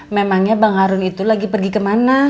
memangnya bang harun itu lagi pergi kemana